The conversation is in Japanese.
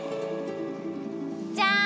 じゃん！